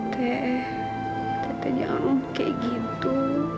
tete tete jangan lupa kayak gitu